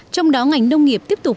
trong đó ngành nông nghiệp tiếp tục